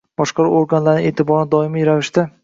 boshqaruv organlarining e’tiborini doimiy ravishda